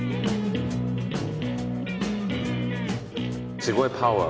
すごいパワー。